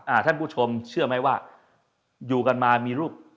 อ่าท่านผู้ชมเชื่อมั้ยว่าอยู่กันมามีรูป